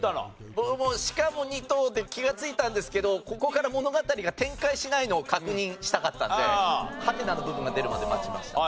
僕も「しかも二頭」で気がついたんですけどここから物語が展開しないのを確認したかったんでハテナの部分が出るまで待ちました。